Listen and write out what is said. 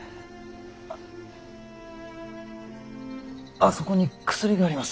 あそこに薬があります。